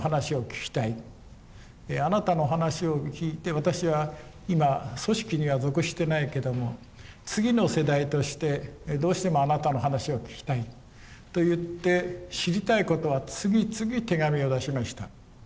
あなたの話を聞いて私は今組織には属してないけども次の世代としてどうしてもあなたの話を聞きたいと言って知りたいことは次々手紙を出しました。